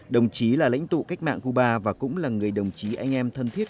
đồng chí là lãnh tụ cách mạng cuba và cũng là người đồng chí anh em thân thiết